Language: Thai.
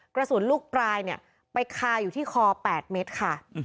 กระสุนลูกปลายเนี่ยไปคาอยู่ที่คอ๘เมตรค่ะ